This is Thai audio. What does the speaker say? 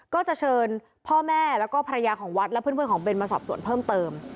ก็จะเชิญพ่อแม่แล้วก็ภรรยาของวัดและเพื่อนของเบนมาสอบสวนเพิ่มเติม